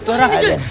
tuh orang aja